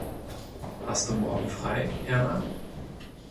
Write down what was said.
Hast du morgen frei, Erna?